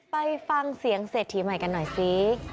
ไปฟังเสียงเศรษฐีใหม่กันหน่อยสิ